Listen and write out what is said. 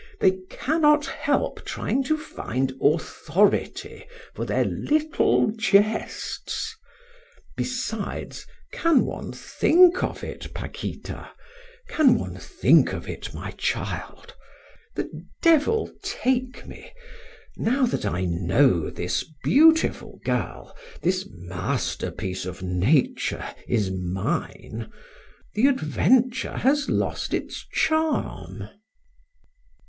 They cannot help trying to find authority for their little jests. Besides, can one think of it, Paquita? Can one think of it, my child? The devil take me, now that I know this beautiful girl, this masterpiece of nature, is mine, the adventure has lost its charm."